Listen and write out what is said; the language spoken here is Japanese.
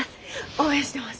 応援してます。